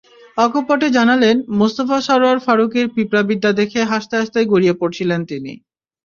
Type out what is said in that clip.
অকপটে জানালেন, মোস্তফা সরয়ার ফারুকীর পিঁপড়াবিদ্যা দেখে হাসতে হাসতে গড়িয়ে পড়ছিলেন তিনি।